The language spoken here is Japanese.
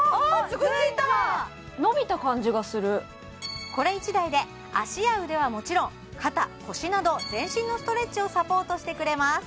すごいついた伸びた感じがするこれ１台で脚や腕はもちろん肩腰など全身のストレッチをサポートしてくれます